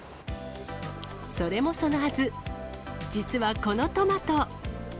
それもそのはず、実はこのトマト。